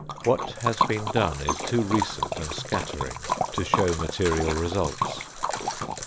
What has been done is too recent and scattering to show material results.